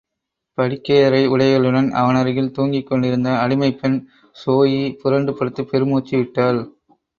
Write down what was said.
படுக்கையறை உடைகளுடன் அவனருகில் தூங்கிக் கொண்டிருந்த அடிமைப்பெண் ஸோயி புரண்டு படுத்துப் பெருமூச்சு விட்டாள்.